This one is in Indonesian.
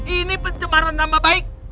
ini pencemaran nama baik